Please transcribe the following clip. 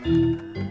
sampai jumpa lagi